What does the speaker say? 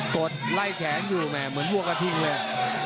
ดไล่แขนอยู่แหมเหมือนวัวกระทิงเลย